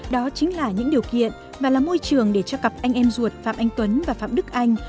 đó chính là những điều kiện mà là môi trường để cho cặp anh em ruột phạm anh tuấn và phạm đức anh